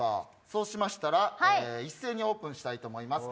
そうしましたら一斉にオープンしたいと思います。